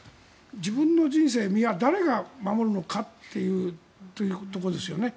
自分の人生は誰が守るのかということですよね。